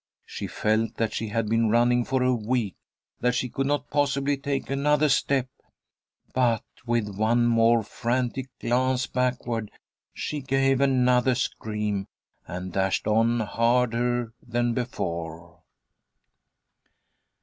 She felt that she had been running for a week, that she could not possibly take another step. But with one more frantic glance backward, she gave another scream, and dashed on harder than before.